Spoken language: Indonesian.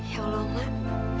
ya allah mak